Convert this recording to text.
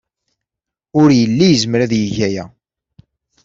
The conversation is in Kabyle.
Ur yelli yezmer ad yeg aya.